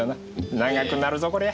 長くなるぞこりゃ。